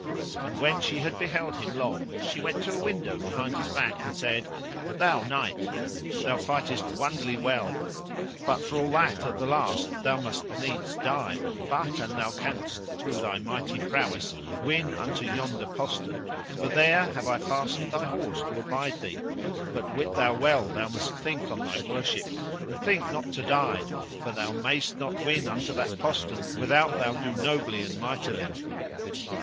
And when she had beheld him long she went to a window behind his back, and said: Thou knight, thou fightest wonderly well, but for all that at the last thou must needs die, but, an thou canst through thy mighty prowess, win unto yonder postern, for there have I fastened thy horse to abide thee: but wit thou well thou must think on thy worship, and think not to die, for thou mayst not win unto that postern without thou do nobly and mightily.